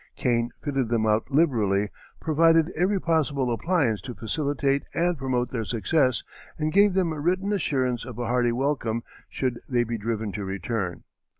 Kane fitted them out liberally, provided every possible appliance to facilitate and promote their success, and gave them a written assurance of a hearty welcome should they be driven to return.